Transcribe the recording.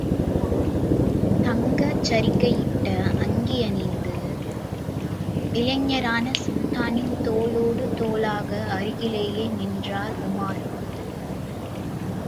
தங்கச் சரிகையிட்ட அங்கியணிந்து, இளைஞரான சுல்தானின் தோளோடு தோளாக அருகிலே நின்றார் உமார்.